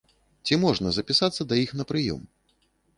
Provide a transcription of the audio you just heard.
Ці можна запісацца да іх на прыём?